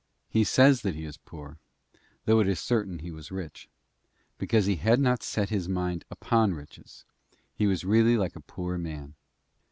* He says — that he is poor, though it is certain he was rich ; because he had not set his mind upon riches, he was really like a poor man.